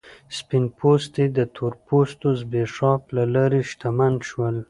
سپین پوستي د تور پوستو زبېښاک له لارې شتمن شول.